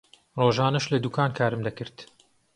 ڕۆژانەش لە دوکان کارم دەکرد.